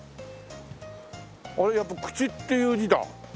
あれやっぱり口っていう字だ。